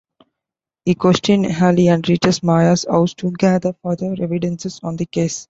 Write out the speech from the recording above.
He questions Ali and reaches Maya's house to gather further evidences on the case.